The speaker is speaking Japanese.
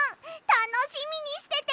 たのしみにしててね！